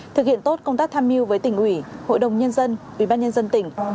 thực hiện tốt công tác tham mưu với tỉnh ủy hội đồng nhân dân ubnd tỉnh